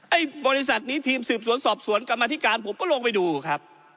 ไอ้บริษัทนี้ทีมสืบสวนสอบสวนกรรมธิการผมก็ลงไปดูครับ